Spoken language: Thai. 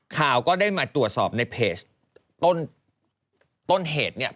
ข่าวก็ได้มาตรวจสอบในเพจต้นเหตุเนี่ย